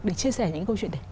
để chia sẻ những câu chuyện đấy